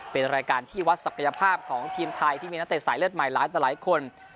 เป็นรายการที่วัดศักยภาพของทีมไทยที่มีนักเตะสายเลือดใหม่หลายต่อหลายคน